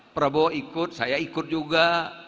prabowo ikut saya ikut juga